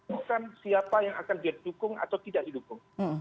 bukan siapa yang akan dia dukung atau tidak dia dukung